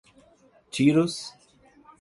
Tiros